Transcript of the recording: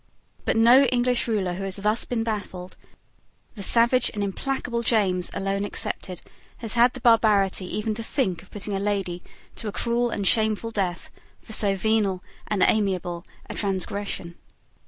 But no English ruler who has been thus baffled, the savage and implacable James alone excepted, has had the barbarity even to think of putting a lady to a cruel and shameful death for so venial and amiable a transgression.